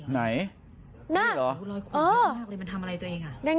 เหนื่อย